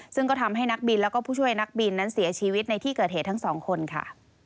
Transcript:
ซึ่งก็ทำให้นักบินแล้วก็ผู้ช่วยนักบินนั้นเสียชีวิตในที่เกิดเหตุทั้งสองคนค่ะ